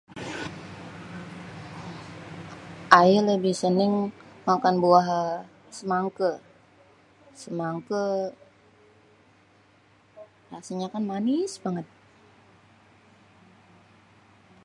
ayê lebih sênêng makan buah semangkê. semangkê, rasanya kan maniss banget.